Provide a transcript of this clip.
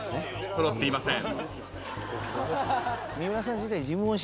揃っていません。